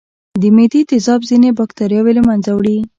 د معدې تیزاب ځینې بکتریاوې له منځه وړي.